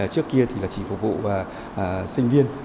trước kia thì chỉ phục vụ sinh viên